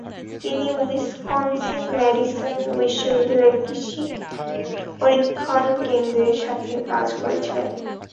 তিনি উইসকনসিন-ম্যাডিসন বিশ্ববিদ্যালয়ের কৃষি পরীক্ষণ কেন্দ্রের সাথে কাজ করেছিলেন।